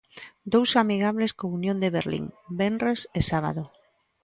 Dous amigables co Unión de Berlín, venres e sábado.